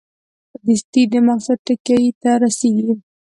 په دستي د مقصد ټکي ته رسېږي.